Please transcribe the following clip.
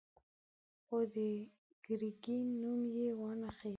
خو د ګرګين نوم يې وانه خيست.